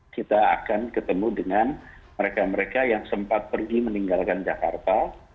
kita akan ketemu dengan mereka mereka yang sempat pergi meninggalkan jakarta